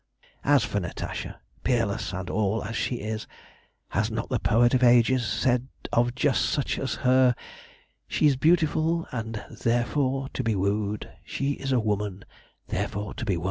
"As for Natasha, peerless and all as she is, has not the poet of the ages said of just such as her She's beautiful, and therefore to be woo'd; She is a woman: therefore to be won?